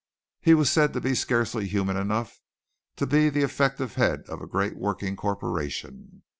He was said to be scarcely human enough to be the effective head of a great working corporation.